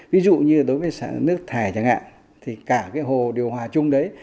ví dụ như đối với nước thải chẳng hạn thì cả cái hồ điều hòa chung đấy